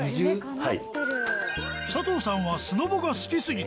はい。